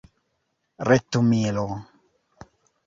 retumilo